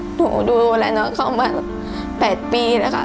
หนูดูแลน้องเข้ามา๘ปีแล้วค่ะ